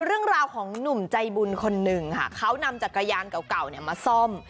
เรื่องราวของหนุ่มใจบุญคนหนึ่งค่ะเขานำจักรยานเก่าเนี่ยมาซ่อม